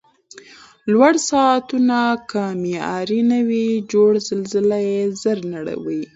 لوړ ساختمونه که معیاري نه وي جوړ، زلزله یې زر نړوي.